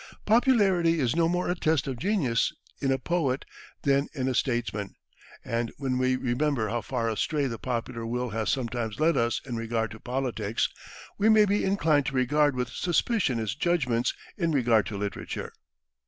Popularity is no more a test of genius in a poet than in a statesman, and when we remember how far astray the popular will has sometimes led us in regard to politics, we may be inclined to regard with suspicion its judgments in regard to literature.